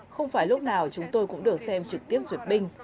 không phải lúc nào chúng tôi cũng được xem trực tiếp duyệt binh